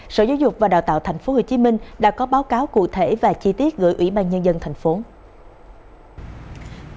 sở giáo dục và đào tạo tp hcm đã có báo cáo cụ thể và chi tiết gửi ủy ban nhân dân thành phố